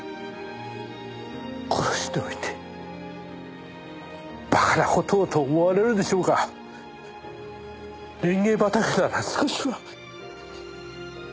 殺しておいてバカな事をと思われるでしょうがレンゲ畑なら少しは。